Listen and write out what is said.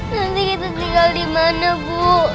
nanti kita tinggal dimana bu